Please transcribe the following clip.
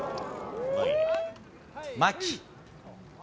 牧。